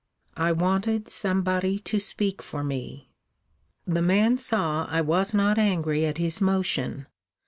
I wanted somebody to speak for me. The man saw I was not angry at his motion.